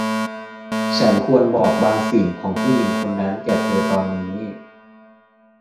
ฉันควรบอกบางสิ่งของผู้หญิงคนนั้นแก่เธอตอนนี้